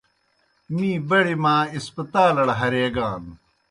می بَڑیْ ماں ہسپتالَڑ ہریگان۔